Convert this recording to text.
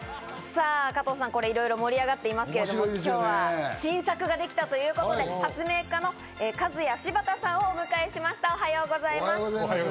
さぁ加藤さん、いろいろ盛り上がっていますけど、今日は新作ができたということで、発明家のカズヤシバタさんをお迎えしました、おはようございます。